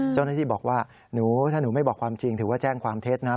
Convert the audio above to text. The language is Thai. เจ้าหน้าที่บอกว่าหนูถ้าหนูไม่บอกความจริงถือว่าแจ้งความเท็จนะ